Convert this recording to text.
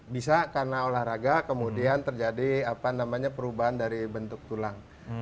bisa karena olahraga kemudian terjadi perubahan dari bentuk tulang